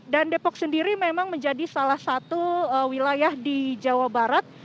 dan depok sendiri memang menjadi salah satu wilayah di jawa barat